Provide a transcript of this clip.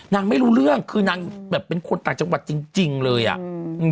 ไม่รู้เรื่องคือนางแบบเป็นคนต่างจังหวัดจริงจริงเลยอ่ะอืม